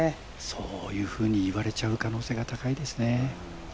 そういうふうに言われちゃう可能性が高いですね。